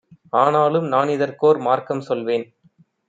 ஆனாலும் நானிதற்கோர் மார்க்கம் சொல்வேன்;